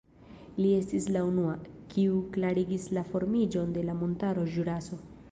Li estis la unua, kiu klarigis la formiĝon de la montaro Ĵuraso.